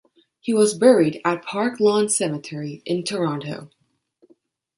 He was buried at Park Lawn Cemetery in Toronto.